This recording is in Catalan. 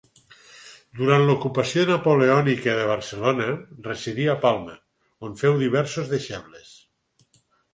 Durant l'ocupació napoleònica de Barcelona residí a Palma, on féu diversos deixebles.